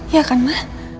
ya kan ma